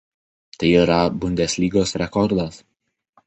Tai yra Bundeslygos rekordas.